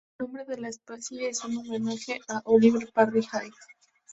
El nombre de la especie es en homenaje de Oliver Perry Hay.